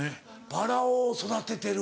バラを育ててる。